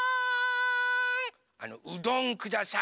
あのうどんください。